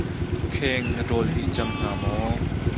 Kheng na tawl dih cang hna maw?